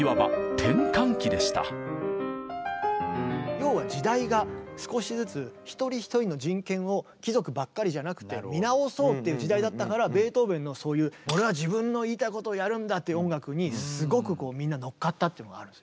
要は時代が少しずつ貴族ばっかりじゃなくて見直そうという時代だったからベートーベンのそういう俺は自分の言いたいことをやるんだっていう音楽にすごくみんな乗っかったっていうのがあるんですね。